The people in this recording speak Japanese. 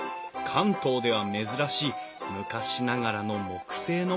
関東では珍しい昔ながらの木製の冠水橋。